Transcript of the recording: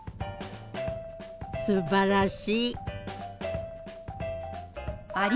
すばらしい。